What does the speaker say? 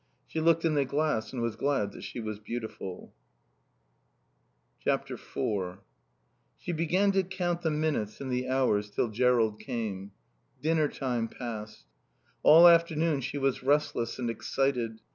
She looked in the glass and was glad that she was beautiful. iv She began to count the minutes and the hours till Jerrold came. Dinner time passed. All afternoon she was restless and excited.